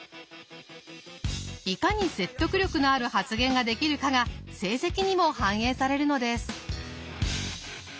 いかに説得力のある発言ができるかが成績にも反映されるのです。